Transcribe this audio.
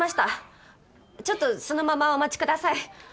ちょっとそのままお待ちください。